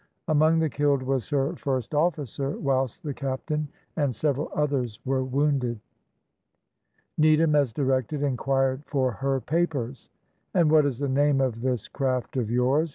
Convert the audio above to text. Among the killed was her first officer, whilst the captain and several others were wounded. Needham, as directed, inquired for her papers "And what is the name of this craft of yours?"